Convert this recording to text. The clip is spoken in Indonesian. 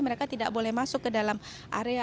mereka tidak boleh masuk ke dalam area